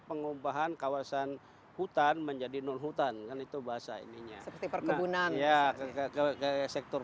pengubahan kawasan hutan menjadi non hutan kan itu bahasa ininya seperti perkebunan ya ke sektor